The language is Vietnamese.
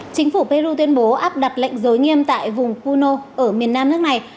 chính phủ peru tuyên bố áp đặt lệnh giới nghiêm tại vùng puno ở miền nam nước này